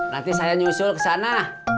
nanti saya nyusul kesana